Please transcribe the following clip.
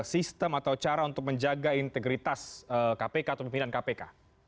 sistem atau cara untuk menjaga integritas kpk atau pimpinan kpk